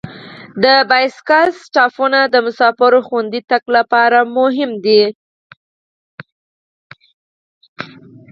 د بایسکل سټاپونه د مسافرو خوندي تګ لپاره مهم دي.